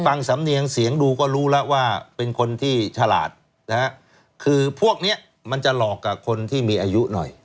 สำเนียงเสียงดูก็รู้แล้วว่าเป็นคนที่ฉลาดนะฮะคือพวกเนี้ยมันจะหลอกกับคนที่มีอายุหน่อย